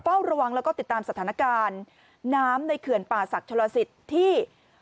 เฝ้าระวังแล้วก็ติดตามสถานการณ์น้ำในเขื่อนป่าศักดิ์ชลสิทธิ์ที่